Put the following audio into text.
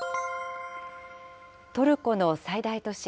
トルコの最大都市